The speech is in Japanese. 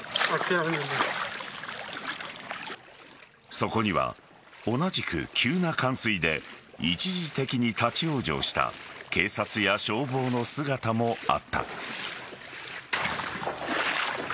そこには、同じく急な冠水で一時的に立ち往生した警察や消防の姿もあった。